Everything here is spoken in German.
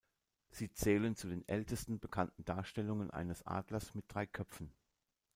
Sie zählen zu den ältesten bekannten Darstellungen eines Adlers mit drei Köpfen.